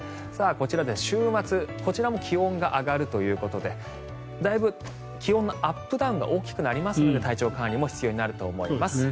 週末、こちらも気温が上がるということでだいぶ気温のアップダウンが大きくなりますので体調管理も必要になると思います。